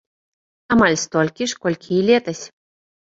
Амаль столькі ж, колькі і летась.